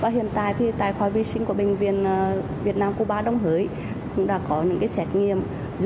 hiện tại tài khoa vi sinh của bệnh viện việt nam cuba đồng hới đã có những xét nghiệm